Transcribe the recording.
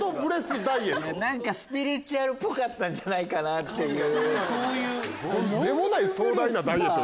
スピリチュアルっぽかったんじゃないかなっていう。